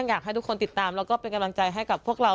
อยากให้ทุกคนติดตามแล้วก็เป็นกำลังใจให้กับพวกเรา